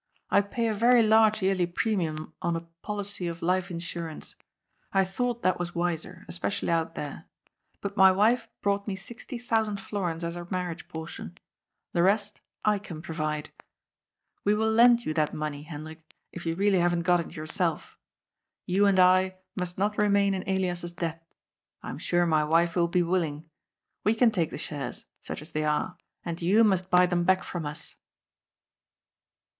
I pay a very large yearly pre mium on a policy of life insurance. I thought that was wiser, especially out there. But my wife brought me sixty thousand florins as her marriage portion. The rest I can provide. We will lend you that money, Hendrik, if you really haven't got it yourself. You and I must not remain in Elias's debt. I am sure my wife will be willing. We can take the shares, such as they are, and you must buy them back from us."